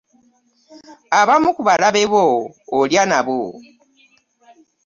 Abamu ku balabe bo olya nabo.